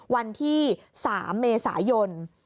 วันที่๓เมษายน